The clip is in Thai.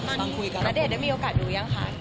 นาเดชน์ได้มีโอกาสดูหรือยังค่ะ